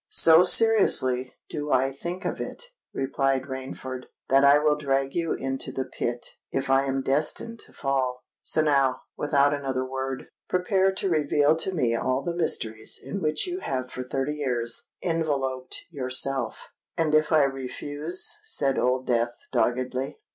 "So seriously do I think of it," replied Rainford, "that I will drag you into the pit, if I am destined to fall. So now, without another word, prepare to reveal to me all the mysteries in which you have for thirty years enveloped yourself." "And if I refuse?" said Old Death, doggedly.